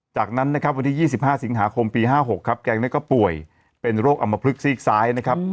จากนั้นนะครับวันที่๒๕สิงหาคมปี๕๖ครับ